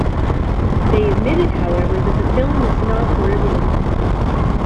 They admitted, however, that the film was not for everyone.